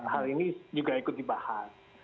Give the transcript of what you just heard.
hal ini juga ikut dibahas